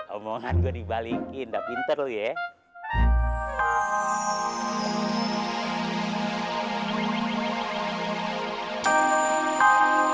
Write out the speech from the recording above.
omongan gua dibalikin ga pinter lu ya